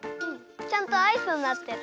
ちゃんとアイスになってる。